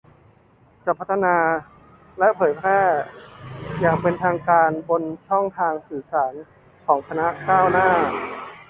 จะพัฒนาและเผยแพร่อย่างเป็นทางการบนช่องทางสื่อสารของคณะก้าวหน้า